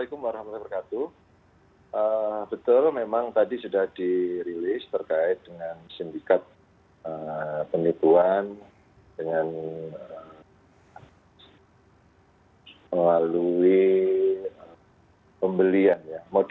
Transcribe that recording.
oke terima kasih mas aldi